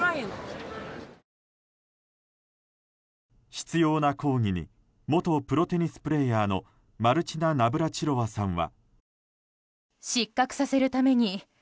執拗な抗議に元プロテニスプレーヤーのマルチナ・ナブラチロワさんは。